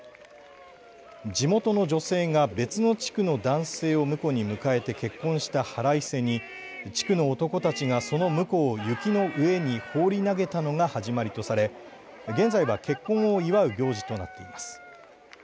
地元の女性が別の地区の男性を婿に迎えて結婚した腹いせに地区の男たちがその婿を雪の上に放り投げたのが始まりとされ現在は結婚を祝う行事となっています。